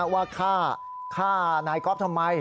ว่าฆ่าฆ่านายก๊อฟทำไม